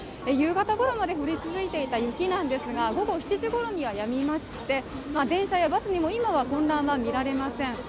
夕方頃まで降り続いていた雪なんですが午後７時ごろにはやみまして電車やバスにも今は混乱は見られません。